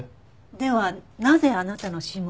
ではなぜあなたの指紋が。